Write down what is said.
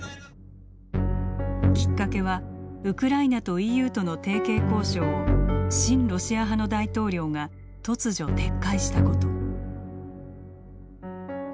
きっかけはウクライナとＥＵとの提携交渉を親ロシア派の大統領が突如、撤回したこと。